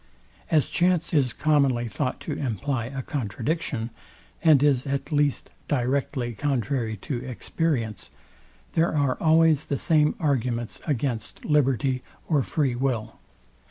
As chance is commonly thought to imply a contradiction, and is at least directly contrary to experience, there are always the same arguments against liberty or free will.